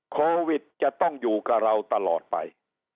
โควิดจะต้องอยู่กับเราตลอดไป